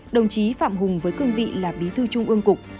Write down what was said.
đồng chí phạm hùng với cương vị là bí thư trung ương cục